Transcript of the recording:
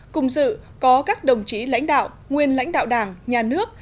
cùng dự có các đồng chí lãnh đạo nguyên lãnh đạo đảng nhà nước